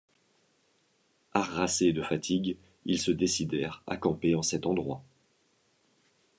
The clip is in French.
Harassés de fatigue, ils se décidèrent à camper en cet endroit.